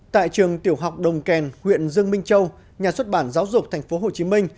tại trường tiểu học đồng kèn huyện dương minh châu nhà xuất bản giáo dục tp hcm